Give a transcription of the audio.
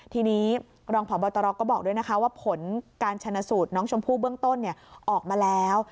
ทีนี้รองพบตรก็บอกด้วยนะคะว่าผลการชนะสูตรน้องชมพู่เบื้องต้นออกมาแล้ว